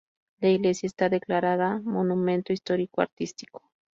La iglesia está declarada monumento histórico-artístico.